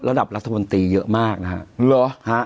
ระดับรัฐมนตรีเยอะมากนะฮะ